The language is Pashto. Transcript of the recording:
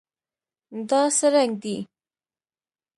دا څه رنګ دی؟